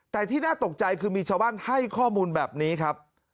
แต่ที่น่าตกใจคือมีชาวบ้านให้ข้อมูลแบบนี้ครับ